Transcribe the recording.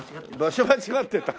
場所間違ってた？